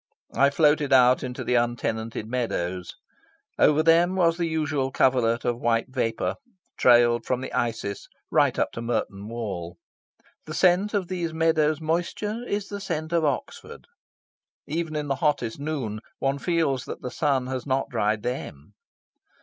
I floated out into the untenanted meadows. Over them was the usual coverlet of white vapour, trailed from the Isis right up to Merton Wall. The scent of these meadows' moisture is the scent of Oxford. Even in hottest noon, one feels that the sun has not dried THEM.